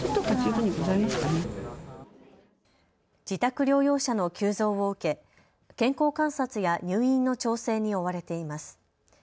自宅療養者の急増を受け健康観察や入院の調整に追われています。